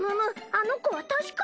あの子はたしか。